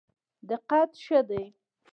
دقت ښه دی.